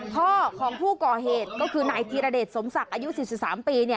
พ่อของผู้ก่อเหตุก็คือนายธีรเดชสมศักดิ์อายุ๔๓ปี